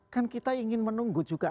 kan kita ingin menunggu juga